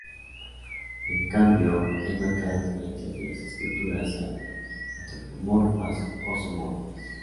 En cambio, hay marcadas diferencias en las esculturas sean antropomorfas o zoomorfas.